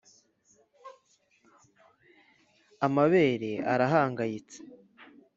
amabere arahangayitse